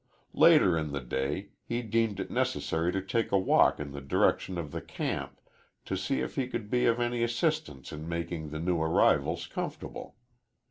Later in the day, he deemed it necessary to take a walk in the direction of the camp to see if he could be of any assistance in making the new arrivals comfortable.